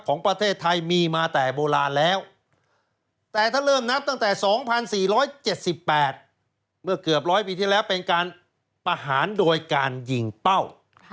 การประหารโดยการยิงเป้า